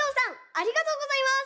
ありがとうございます。